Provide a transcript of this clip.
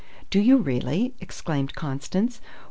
"Do you really?" exclaimed Constance.